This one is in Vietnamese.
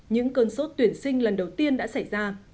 những cơn sốt tuyển sinh lần đầu tiên đã xảy ra